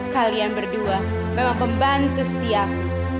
kalian berdua memang pembantu setiap